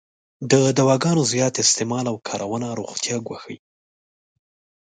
د دواګانو زیات استعمال او کارونه روغتیا ګواښی.